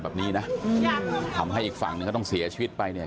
รักษณะแบบนี้นะทำให้อีกฝั่งก็ต้องเสียชีวิตไปเนี่ย